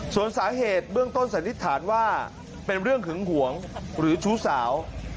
ส่วนสาเหตุเบื้องต้นสันนิษฐานว่าเป็นเรื่องหึงหวงหรือชู้สาว